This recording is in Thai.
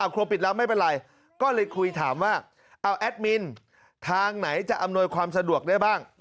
ครัวปิดแล้วไม่เป็นไรก็เลยคุยถามว่าเอาแอดมินทางไหนจะอำนวยความสะดวกได้บ้าง